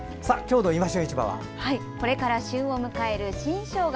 これから旬を迎える新しょうが。